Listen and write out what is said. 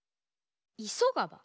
いそがば？